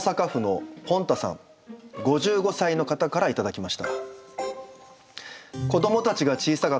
５５歳の方から頂きました。